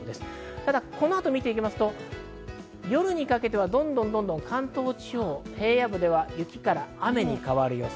ただ、この後を見ていきますと、夜にかけてはどんどん関東地方、平野部では雪から雨に変わる予想。